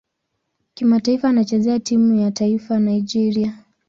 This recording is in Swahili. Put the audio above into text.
Kimataifa anachezea timu ya taifa Nigeria.